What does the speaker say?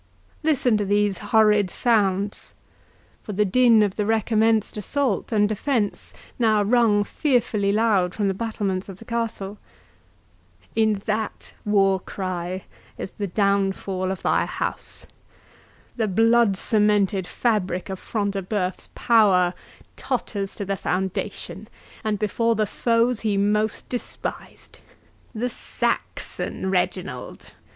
—Listen to these horrid sounds," for the din of the recommenced assault and defence now rung fearfully loud from the battlements of the castle; "in that war cry is the downfall of thy house—The blood cemented fabric of Front de Bœuf's power totters to the foundation, and before the foes he most despised!—The Saxon, Reginald!